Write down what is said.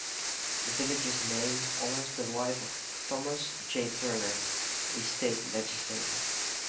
The village's name honors the wife of Thomas J. Turner, a state legislator.